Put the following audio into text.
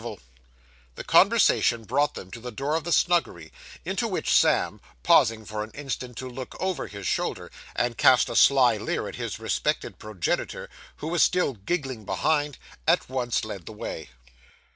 This conversation brought them to the door of the snuggery, into which Sam pausing for an instant to look over his shoulder, and cast a sly leer at his respected progenitor, who was still giggling behind at once led the way.